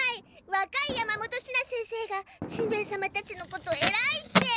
わかい山本シナ先生がしんべヱ様たちのこと「えらい」って。